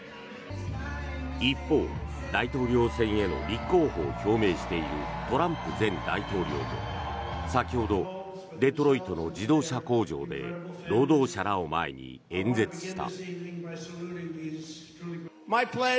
一方、大統領選への立候補を表明しているトランプ前大統領も先ほどデトロイトの自動車工場で労働者らを前に演説した。